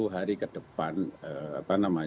tiga puluh hari ke depan